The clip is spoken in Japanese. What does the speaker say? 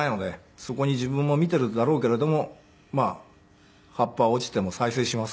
そこに自分も見ているだろうけれども葉っぱは落ちても再生しますからね。